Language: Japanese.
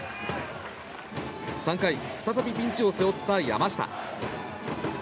３回再びピンチを背負った山下。